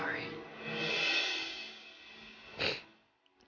putri bagus kau